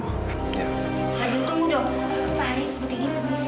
hadil tunggu dong pak haris butini permisi